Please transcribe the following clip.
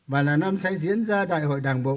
và là năm sẽ diễn ra đại hội đảng bộ